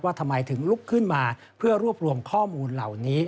ทำไมถึงลุกขึ้นมาเพื่อรวบรวมข้อมูลเหล่านี้